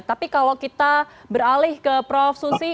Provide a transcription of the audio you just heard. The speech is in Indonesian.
tapi kalau kita beralih ke profusi